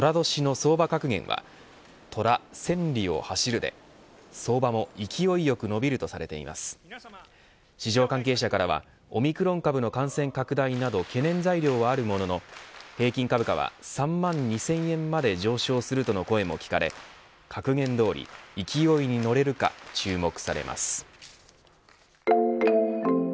市場関係者からはオミクロン株の感染拡大など懸念材料はあるものの平均株価は３万２０００円まで上昇するとの声も聞かれ格言通り、勢いに乗れるか注目されます。